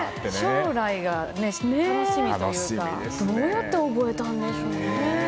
将来が楽しみというかどうやって覚えたんでしょうね。